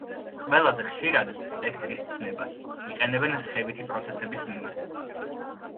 ყველაზე ხშირად სპექტრის ცნებას იყენებენ რხევითი პროცესების მიმართ.